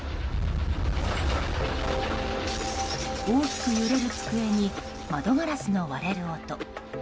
大きく揺れる机に窓ガラスの割れる音。